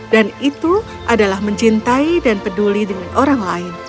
dan itu adalah mencintai dan peduli dengan orang lain